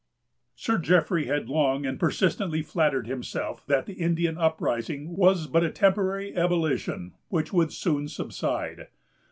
Sir Jeffrey had long and persistently flattered himself that the Indian uprising was but a temporary ebullition, which would soon subside.